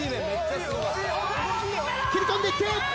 切り込んでいって。